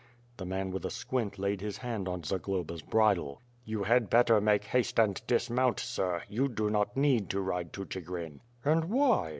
The man with a squint laid his hand on Zagloba's bridle. "You had better make haste and dismount, sir; you do not need to ride to Chigrin." "And why?"